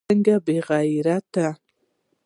څنگه بې غيرتي.